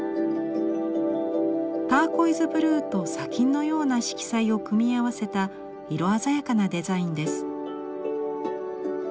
ターコイズ・ブルーと砂金のような色彩を組み合わせた色鮮やかなデザインです。